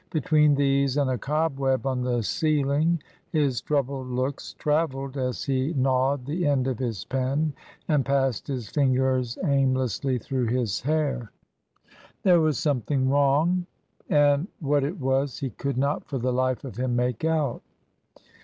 Between these and a cobweb on the ceiling his troubled looks travelled, as he gnawed the end of his pen, and passed his fingers aimlessly through his hair. There was something wrong; and what it was he could not for the life of him make out.